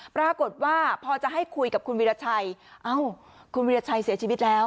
ปรากฏว่าพอจะให้คุยกับคุณวิราชัยเอ้าคุณวิราชัยเสียชีวิตแล้ว